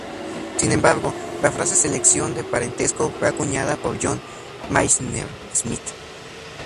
Sin embargo, la frase selección de parentesco fue acuñada por John Maynard Smith.